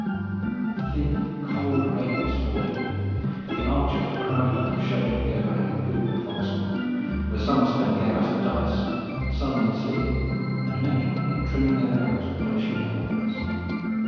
A thin cold rain was falling, and the archers were crowded under the shelter of the overhanging poop and forecastle, where some spent the hours at dice, some in sleep, and many in trimming their arrows or polishing their weapons.